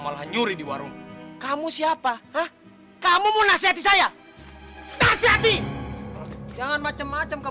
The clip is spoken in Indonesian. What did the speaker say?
malah nyuri di warung kamu siapa kamu mau nasihati saya nasihati jangan macam macam ke